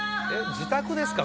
自宅ですか？